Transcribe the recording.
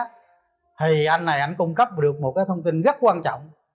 thì anh này anh cung cấp được một cái thông tin rất quan trọng